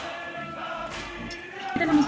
Poeta español.